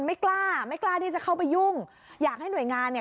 ไม่กล้าไม่กล้าที่จะเข้าไปยุ่งอยากให้หน่วยงานเนี่ย